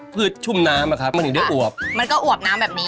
ชุ่มน้ำอะครับมันถึงได้อวบมันก็อวบน้ำแบบนี้